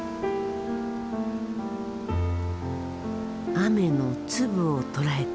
雨の粒を捉えた。